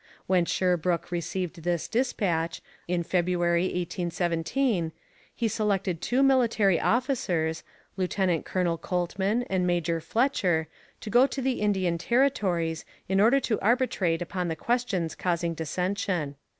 When Sherbrooke received this dispatch, in February 1817, he selected two military officers, Lieutenant Colonel Coltman and Major Fletcher, to go to the Indian Territories in order to arbitrate upon the questions causing dissension.